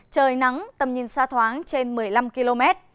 trời nắng tầm nhìn xa thoáng trên một mươi năm km